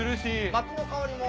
薪の香りも。